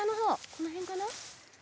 この辺かな？